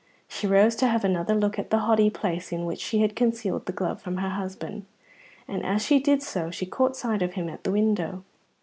She rose to have another look at the hoddy place in which she had concealed the glove from her husband, and as she did so she caught sight of him at the window.